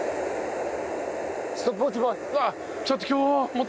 あっ！